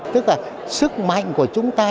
tức là sức mạnh của chúng ta